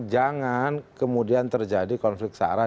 jangan kemudian terjadi konflik sarah